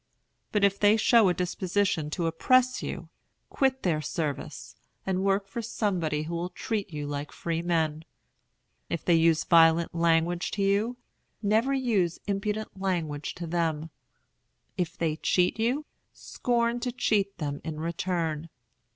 But if they show a disposition to oppress you, quit their service, and work for somebody who will treat you like freemen. If they use violent language to you, never use impudent language to them. If they cheat you, scorn to cheat them in return.